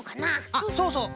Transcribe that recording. あっそうそう